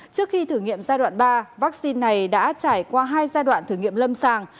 trước khi thử nghiệm giai đoạn ba vaccine này đã trải qua hai giai đoạn thử nghiệm lâm sàng